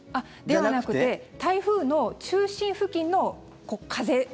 ではなくて台風の中心付近の風。